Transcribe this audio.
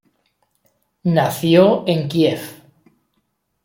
Nació en Kiev.